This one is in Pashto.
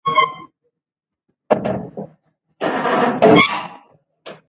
که قلم وي نو خطاطي نه پاتې کیږي.